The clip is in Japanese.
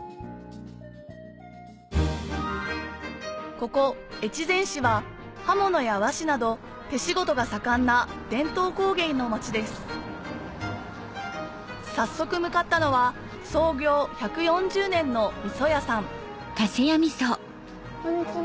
ここ越前市は刃物や和紙など手仕事が盛んな伝統工芸の町です早速向かったのは創業１４０年のみそ屋さんこんにちは。